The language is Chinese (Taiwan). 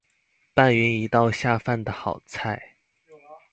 拌勻一道下飯的好菜